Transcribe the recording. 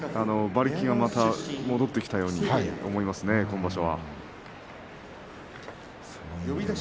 馬力がまた戻ってきたように思いますね、今場所は。